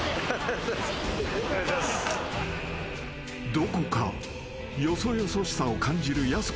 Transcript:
［どこかよそよそしさを感じるやす子の対応］